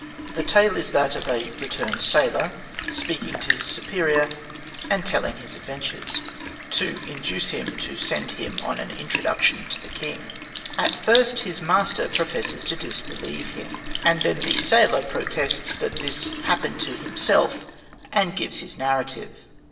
The tale is that of a returned sailor, speaking to his superior and telling his adventures, to induce him to send him on with an introduction to the king. At first his master professes to disbelieve him, and then the sailor protests that this happened to himself, and gives his narrative.